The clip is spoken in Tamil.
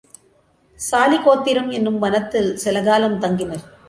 சாலி கோத்திரம் என்னும் வனத்தில் சில காலம் தங்கினர்.